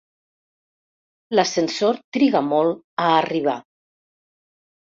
L'ascensor triga molt a arribar.